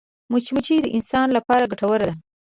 مچمچۍ د انسان لپاره ګټوره ده